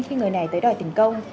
khi người này tới đòi tỉnh công